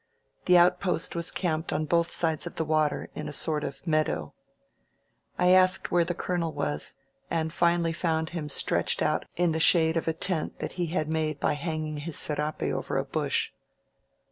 The outpost was camped on both sides of the water, in a sort of meadow. I asked where the colonel was, and finally found him stretched out in the shade of a tent that he had made by hanging his serape over a bush.